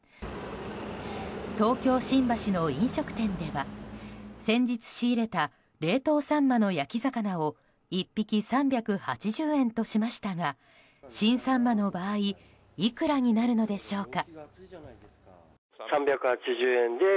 東京・新橋の飲食店では先日仕入れた冷凍サンマの焼き魚を１匹３８０円としましたが新サンマの場合いくらになるのでしょうか？